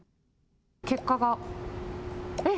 結果が、えっ？